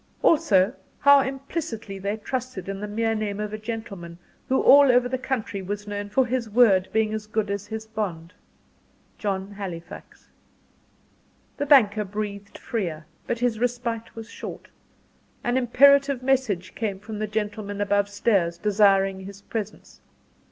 Also how implicitly they trusted in the mere name of a gentleman who all over the country was known for "his word being as good as his bond," John Halifax. The banker breathed freer; but his respite was short: an imperative message came from the gentlemen above stairs, desiring his presence.